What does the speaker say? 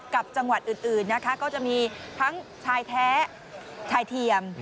กับจังหวัดอื่นนะคะก็จะมีทั้งชายแท้ชายเทียม